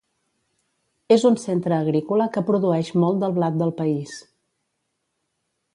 És un centre agrícola que produeix molt del blat del país.